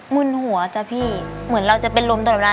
มึนหัวจ้ะพี่เหมือนเราจะเป็นลมตลอดเวลา